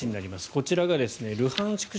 こちらがルハンシク